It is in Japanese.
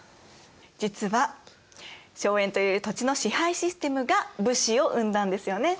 実は荘園という土地の支配システムが武士を生んだんですよね先生？